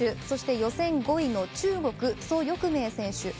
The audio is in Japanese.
そして、予選５位の中国、蘇翊鳴選手。